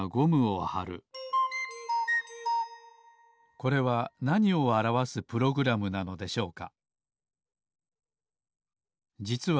これはなにをあらわすプログラムなのでしょうか？